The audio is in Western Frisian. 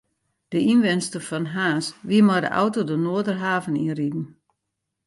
De ynwenster fan Harns wie mei de auto de Noarderhaven yn riden.